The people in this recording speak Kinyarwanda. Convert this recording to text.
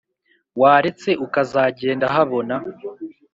Waretse ukaza genda habona